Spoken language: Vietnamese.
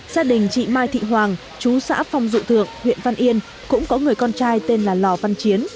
gia đình chị mai thị hoàng chú xã phong dụ thượng huyện văn yên cũng có người con trai tên là lò văn chiến